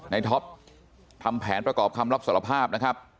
ท็อปทำแผนประกอบคำรับสารภาพนะครับ